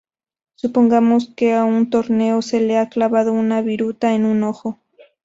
Supongamos que a un tornero se le ha clavado una viruta en un ojo.